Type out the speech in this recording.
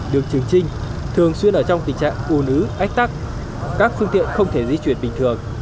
đường trường trinh thường xuyên ở trong tình trạng ù nứ ách tắc các phương tiện không thể di chuyển bình thường